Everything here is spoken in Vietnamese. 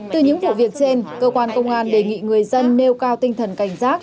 từ những vụ việc trên cơ quan công an đề nghị người dân nêu cao tinh thần cảnh giác